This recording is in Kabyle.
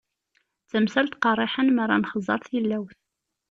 D tamsalt qerriḥen mi ara nexẓer tilawt.